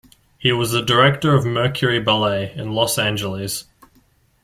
He was the director of Mercury Ballet, in Los Angeles.